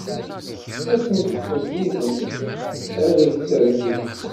Ad sen-ttqezziben, ad tt-rkin.